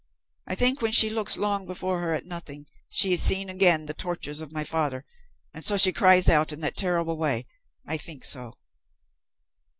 I think when she looks long before her at nothing, she is seeing again the tortures of my father, and so she cries out in that terrible way. I think so."